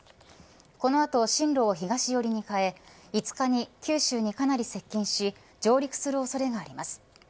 この後、進路を東寄りに変え５日に九州にかなり接近し上陸する恐れがあります。